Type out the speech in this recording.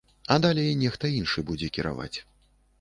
А далей нехта іншы будзе кіраваць.